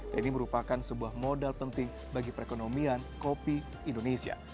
dan ini merupakan sebuah modal penting bagi perekonomian kopi indonesia